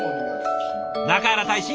中原大使